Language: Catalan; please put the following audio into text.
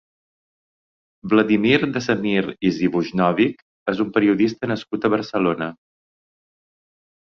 Vladimir de Semir i Zivojnovic és un periodista nascut a Barcelona.